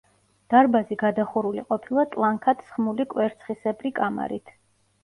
დარბაზი გადახურული ყოფილა ტლანქად სხმული კვერცხისებრი კამარით.